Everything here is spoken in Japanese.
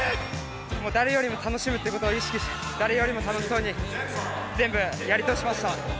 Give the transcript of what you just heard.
もう誰よりも楽しむっていうことを意識して、誰よりも楽しそうに全部やり通しました。